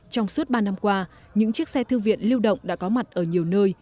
trong suốt ba năm qua những chiếc xe thư viện lưu động đã có mặt ở nhiều nơi